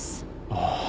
ああ。